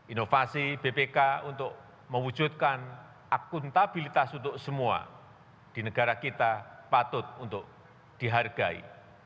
inovasi bpk untuk mewujudkan akuntabilitas untuk semua di negara kita patut untuk dihargai